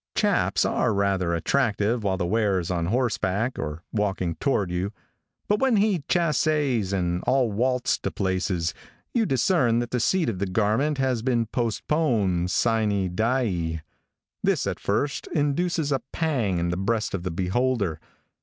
"Chaps" are rather attractive while the wearer is on horseback, or walking toward you, but when he chasses and "all waltz to places," you discern that the seat of the garment has been postponed sine die. This, at first, induces a pang in the breast of the beholder.